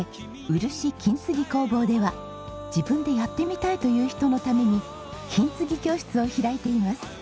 漆・金継ぎ工房では自分でやってみたいという人のために金継ぎ教室を開いています。